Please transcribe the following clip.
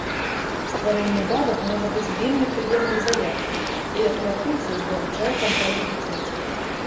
Стварэнне бабак можа быць вельмі прыемным заняткам, і, як мяркуецца, узбагачае фантазію дзіцяці.